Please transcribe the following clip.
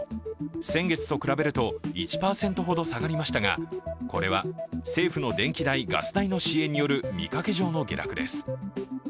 先月と比べると１％ほど下がりましたが、これは政府の電気代、ガス代の支援による見かけ上の下落です。